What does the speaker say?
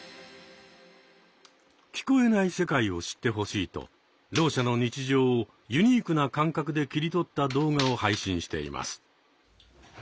聞こえない世界を知ってほしいとろう者の日常をユニークな感覚で切り取った動画を配信しています。